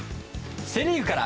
セ・リーグから。